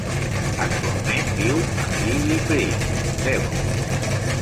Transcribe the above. Actualment viu a Ivybridge, Devon.